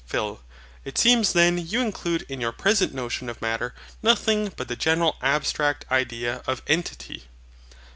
PHIL. It seems then you include in your present notion of Matter nothing but the general abstract idea of ENTITY.